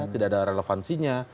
tidak ada relevansinya